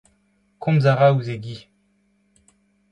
komz a ra ouzh e gi.